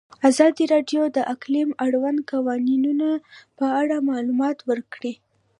ازادي راډیو د اقلیم د اړونده قوانینو په اړه معلومات ورکړي.